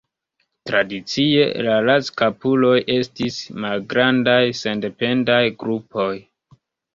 Tradicie, la razkapuloj estis malgrandaj, sendependaj grupoj.